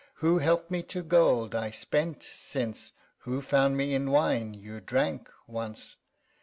Who helped me to gold I spent since? Who found me in wine you drank once?